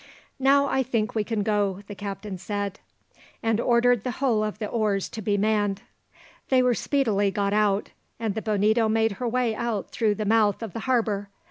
"Now I think we can go," the captain said, and ordered the whole of the oars to be manned. They were speedily got out, and the Bonito made her way out through the mouth of the harbour.